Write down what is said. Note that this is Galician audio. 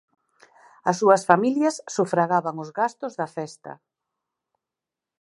As súas familias sufragaban os gastos da festa.